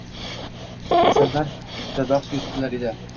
Asarlar ustida bahs yuritsalar edi.